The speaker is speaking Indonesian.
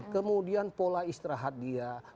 kemudian pola istirahat dia